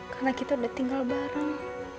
karena kita udah tinggal bareng